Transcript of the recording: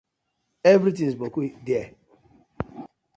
Everytins boku there.